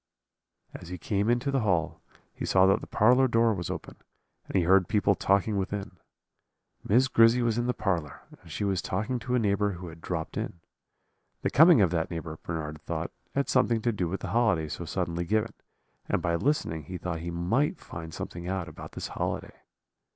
"As he came into the hall he saw that the parlour door was open, and he heard people talking within. Miss Grizzy was in the parlour, and she was talking to a neighbour who had dropped in. The coming of that neighbour, Bernard thought, had something to do with the holiday so suddenly given, and by listening he thought he might find something out about this holiday.